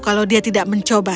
kalau dia tidak mencoba